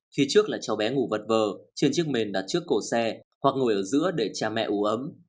khi trước là cháu bé ngủ vật vờ trên chiếc mềm đặt trước cổ xe hoặc ngồi ở giữa để cha mẹ ủ ấm